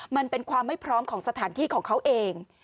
มันเป็นความไม่พร้อมของสถานที่ของเขาเอง